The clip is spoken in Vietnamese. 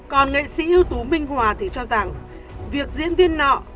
còn nghệ sĩ ưu tú minh hòa thì cho rằng việc diễn viên nọ